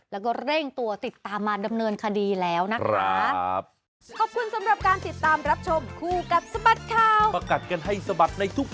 แล้วก็เร่งตัวติดตามมาดำเนินคดีแล้วนะคะ